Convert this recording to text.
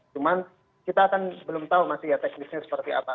cuman kita kan belum tahu masih ya teknisnya seperti apa